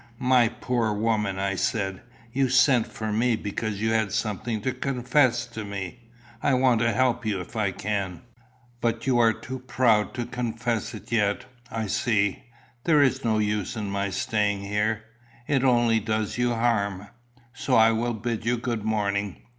"My poor woman," I said, "you sent for me because you had something to confess to me. I want to help you if I can. But you are too proud to confess it yet, I see. There is no use in my staying here. It only does you harm. So I will bid you good morning.